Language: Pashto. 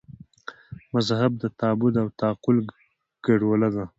مذهب د تعبد او تعقل ګډوله ده.